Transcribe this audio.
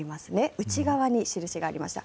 内側に印がありました。